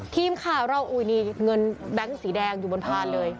ทีมข่าวเราอุ้ยนี่เงินแบงค์สีแดงอยู่บนพานเลย